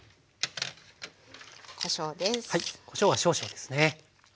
こしょうです。